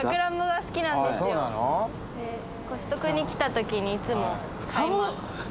コストコに来たときにいつも買います。